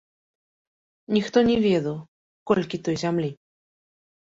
Ніхто не ведаў, колькі той зямлі.